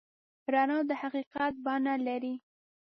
رڼا د حقیقت بڼه لري.